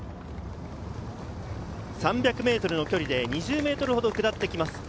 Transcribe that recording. ３００ｍの距離で２０ｍほど下ってきます。